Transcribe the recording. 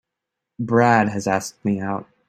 Brad has asked me out.